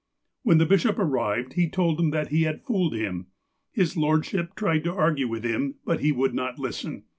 When the bishop arrived, he told him that he had fooled him. His lordship tried to argue with him ; but he would not listen.